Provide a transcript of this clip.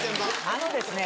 あのですね